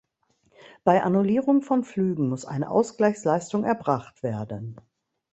Bei Annullierung von Flügen muss eine Ausgleichsleistung erbracht werden.